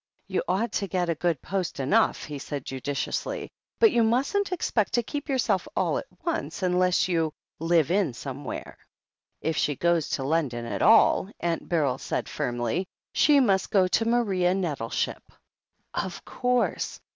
"You ought to get a good post enough/* he said judicially, "but you mustn't expect to keep yourself all at once unless you 'live in' somewhere?" "If she goes to London at all," Aunt Beryl said firmly, "she must go to Maria Nettleship." Of course.